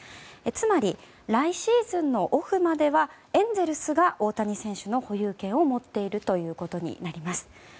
つまり、来シーズンのオフまではエンゼルスが大谷選手の保有権を持っているということになります。